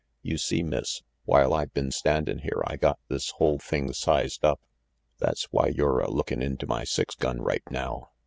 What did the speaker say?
"You see, Miss, while I been standin' here I got this whole thing sized up. That's why you're a lookin' into my six gun right now.